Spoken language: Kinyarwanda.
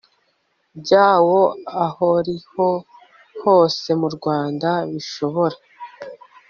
byawo ahoriho hose mu Rwanda Bishobora